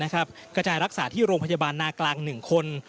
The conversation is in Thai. กระจายรักษาที่โรงพยาบาลนากลาง๑คน